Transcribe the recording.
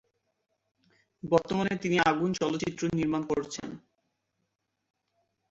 বর্তমানে তিনি "আগুন" চলচ্চিত্র নির্মাণ করছেন।